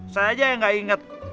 saya aja yang gak inget